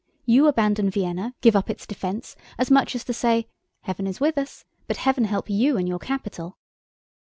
You abandon Vienna, give up its defense—as much as to say: 'Heaven is with us, but heaven help you and your capital!